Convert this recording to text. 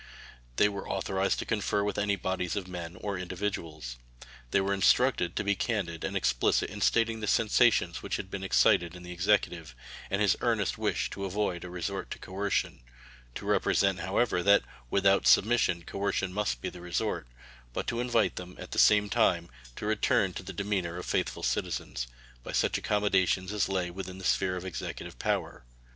They were authorized to confer with any bodies of men or individuals. They were instructed to be candid and explicit in stating the sensations which had been excited in the Executive, and his earnest wish to avoid a resort to coercion; to represent, however, that, without submission, coercion must be the resort; but to invite them, at the same time, to return to the demeanor of faithful citizens, by such accommodations as lay within the sphere of Executive power.